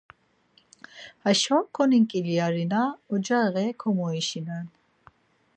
Haşo koninǩilyarina ocaği komoişenen.